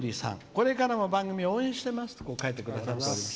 「これからも番組を応援してます」と書いてくれています。